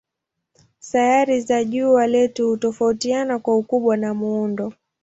Sayari za jua letu hutofautiana kwa ukubwa na muundo.